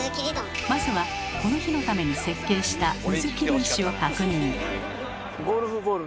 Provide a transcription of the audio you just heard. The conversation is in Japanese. まずはこの日のために設計した水切り石を確認。